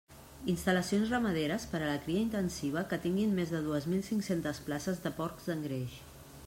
Instal·lacions ramaderes per a la cria intensiva que tinguin més de dues mil cinc-centes places de porcs d'engreix.